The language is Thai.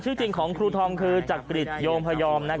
จริงของครูทองคือจักริจโยงพยอม